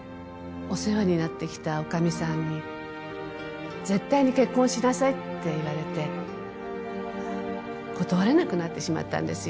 お世話になってきた女将さんに絶対に結婚しなさいって言われて断れなくなってしまったんですよ